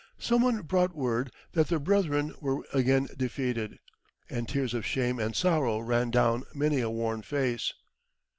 Some one brought word that their brethren were again defeated, and tears of shame and sorrow ran down many a worn face.